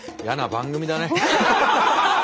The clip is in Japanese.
やな番組だね。